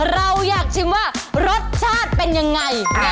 เราอยากชิมว่ารสชาติเป็นยังไง